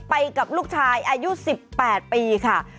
ไปกับลูกชายอายุ๑๘ปีค่ะ